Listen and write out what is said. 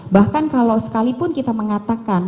bahkan kalau sekalipun kita mengatakan